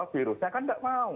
virusnya kan gak mau